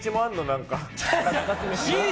何か。